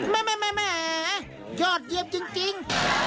แม่ยอดเยี่ยมจริง